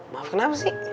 maaf kenapa sih